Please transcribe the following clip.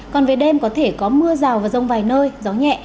còn về đêm có thể có mưa rào và rông vài nơi gió nhẹ